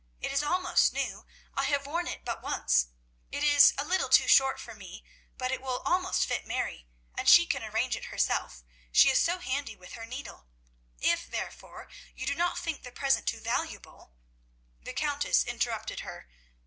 It is almost new; I have worn it but once. It is a little too short for me, but it will almost fit Mary, and she can arrange it herself. She is so handy with her needle. If, therefore, you do not think the present too valuable " The Countess interrupted her.